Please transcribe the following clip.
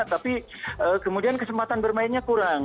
tapi kemudian kesempatan bermainnya kurang